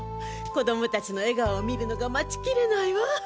子供たちの笑顔を見るのが待ちきれないわ。